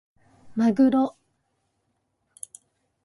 まぐろ